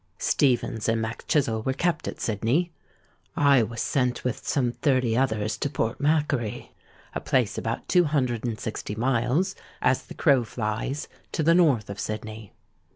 Stephens and Mac Chizzle were kept at Sydney: I was sent with some thirty others to Port Macquarie—a place about two hundred and sixty miles, as the crow flies, to the north of Sydney.